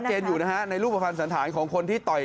เจนอยู่นะฮะในรูปภัณฑ์สันธารของคนที่ต่อย